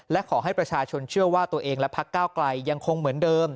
และขอให้ประชาชนเชื่อว่าตัวเองและพักก้าวไกลยังคงเหมือนเดิม